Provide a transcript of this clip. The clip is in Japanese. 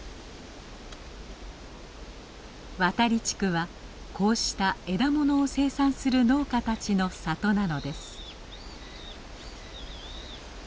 渡利地区はこうした枝ものを生産する農家たちの里なのです。